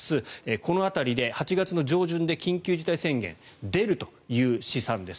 この辺りで８月の上旬で緊急事態宣言が出るという試算です。